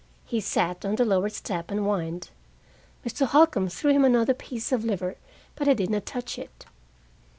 He sat on the lower step and whined. Mr. Holcombe threw him another piece of liver, but he did not touch it.